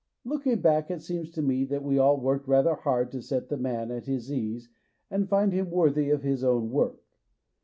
Looking back, it seems to me that we all worked rather hard to set the man at his ease and find him worthy of his own work.